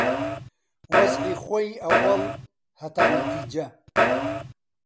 وەزعی خۆی ئەووەڵ، هەتا نەتیجە